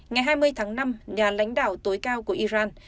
ngày hai mươi tháng năm nhà lãnh đạo tối cao của iran